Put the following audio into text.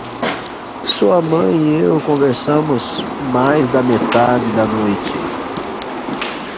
Sua mãe e eu conversamos mais da metade da noite.